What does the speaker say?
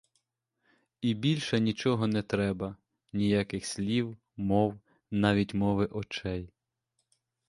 І більше нічого не треба, ніяких слів, мов, навіть мови очей.